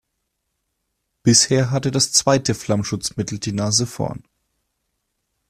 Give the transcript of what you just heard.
Bisher hat das zweite Flammschutzmittel die Nase vorn.